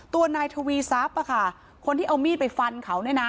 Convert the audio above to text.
ตัวนายทวีทรัพย์คนที่เอามีดไปฟันเขาเนี่ยนะ